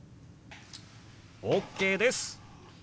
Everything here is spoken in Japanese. ＯＫです！